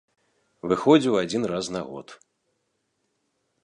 Выходзіў адзін раз на год.